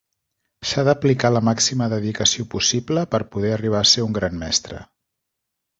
S'ha d'aplicar la màxima dedicació possible per poder arribar a ser un gran mestre.